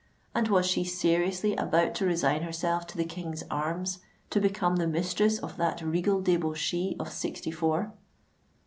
and was she seriously about to resign herself to the King's arms—to become the mistress of that regal debauchee of sixty four?